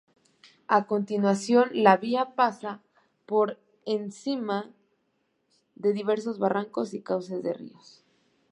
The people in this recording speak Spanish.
A continuación, la vía pasa por encima de diversos barrancos y cauces de ríos.